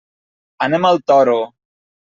Anem al Toro.